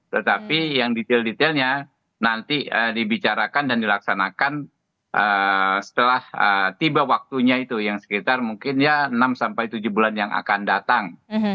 tetapi yang detail detailnya nanti dibicarakan dan dilaksanakan setelah tiba waktunya itu yang sekitar mungkin ya enam sampai tujuh bulan yang akan datang